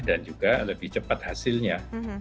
dan juga lebih cepat hasilnya